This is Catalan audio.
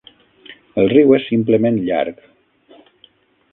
El riu és simplement llarg.